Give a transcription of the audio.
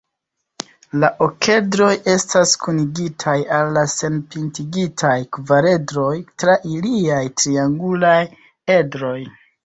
La okedroj estas kunigitaj al la senpintigitaj kvaredroj tra iliaj triangulaj edroj.